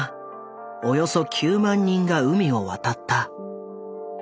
およそ９万人が海を渡った。